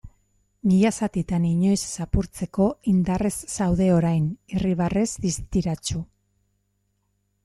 Mila zatitan inoiz ez apurtzeko, indarrez zaude orain, irribarrez distiratsu.